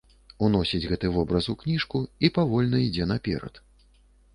Уносіць гэты вобраз у кніжку і павольна ідзе наперад.